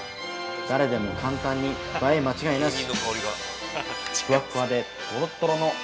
誰でも簡単に映え間違いなし！